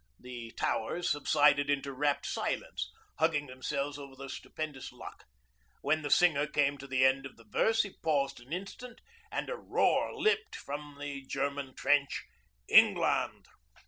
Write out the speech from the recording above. The Towers subsided into rapt silence, hugging themselves over their stupendous luck. When the singer came to the end of the verse he paused an instant, and a roar leaped from the German trench ... 'England!'